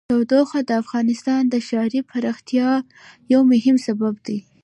تودوخه د افغانستان د ښاري پراختیا یو مهم سبب دی.